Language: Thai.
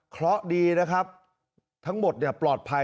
เคราะห์ดีนะครับทั้งหมดเนี่ยปลอดภัย